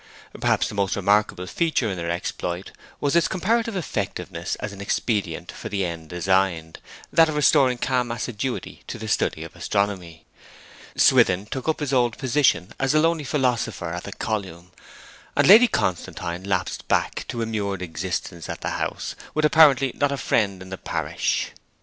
Perhaps the most remarkable feature in their exploit was its comparative effectiveness as an expedient for the end designed, that of restoring calm assiduity to the study of astronomy. Swithin took up his old position as the lonely philosopher at the column, and Lady Constantine lapsed back to immured existence at the house, with apparently not a friend in the parish.